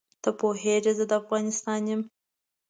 ته خو پوهېږې زه د افغانستان یم.